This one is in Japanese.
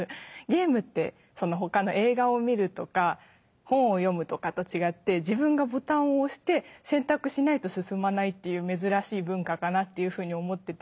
ゲームって他の映画を見るとか本を読むとかと違って自分がボタンを押して選択しないと進まないっていう珍しい文化かなっていうふうに思ってて。